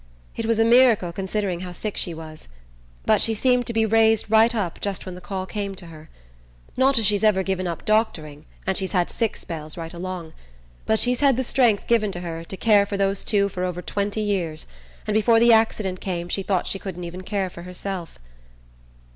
It was a miracle, considering how sick she was but she seemed to be raised right up just when the call came to her. Not as she's ever given up doctoring, and she's had sick spells right along; but she's had the strength given her to care for those two for over twenty years, and before the accident came she thought she couldn't even care for herself."